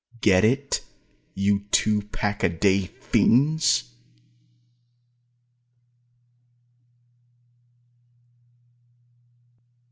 Get it, you two pack a day fiends?